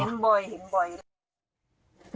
เห็นบ่อยแล้ว